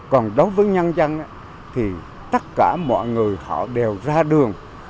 còn đối với nhân dân thì tất cả mọi người họ đều ra đường